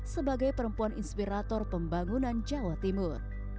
sebagai perempuan inspirator pembangunan jawa timur